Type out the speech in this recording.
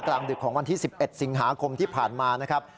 กลางดึกของวันที่๑๑สิงหาคมที่ผ่านมานะครับ